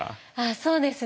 そうですね。